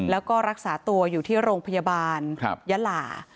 แล้วก็รักษาตัวอยู่ที่โรงพยาบาลยะหล่า